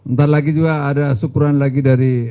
ntar lagi juga ada syukuran lagi dari